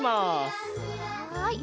はい。